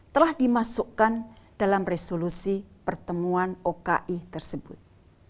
telah dimasukkan dalam resolusi pertemuan oki tersebut